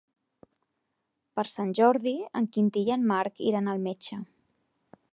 Per Sant Jordi en Quintí i en Marc iran al metge.